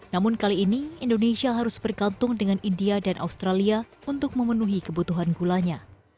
namun kali ini indonesia harus bergantung dengan india dan australia untuk memenuhi kebutuhan gulanya